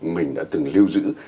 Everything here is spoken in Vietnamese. mình đã từng lưu giữ